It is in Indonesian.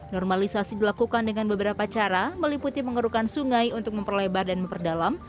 normalisasi dilakukan dengan beberapa cara meliputi pengerukan sungai untuk memperlebar dan memperdalam